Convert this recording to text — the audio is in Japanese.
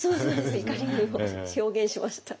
イカリングを表現しました。